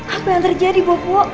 apa yang terjadi bopo